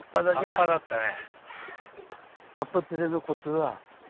葉っぱだったね。